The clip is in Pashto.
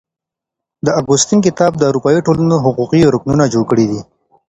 د اګوستين کتاب د اروپايي ټولنو حقوقي رکنونه جوړ کړي دي.